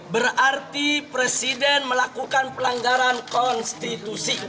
berarti presiden melakukan pelanggaran konstitusi